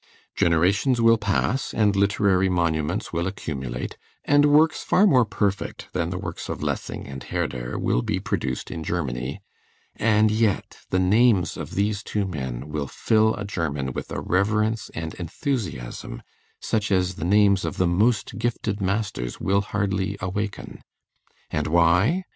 Generations will pass, and literary monuments will accumulate, and works far more perfect than the works of Lessing and Herder will be produced in Germany; and yet the names of these two men will fill a German with a reverence and enthusiasm such as the names of the most gifted masters will hardly awaken. And why?